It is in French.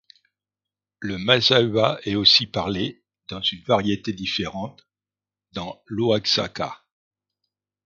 Le mazahua est aussi parlé, dans une variété différente, dans l'Oaxaca.